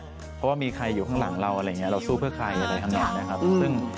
เพราะว่ามีใครอยู่ข้างหลังเราอะไรอย่างนี้เราสู้เพื่อใครอะไรทำอย่างนี้นะครับ